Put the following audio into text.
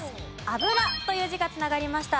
「油」という字が繋がりました。